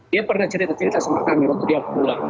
dia pernah cerita cerita sama kami waktu dia pulang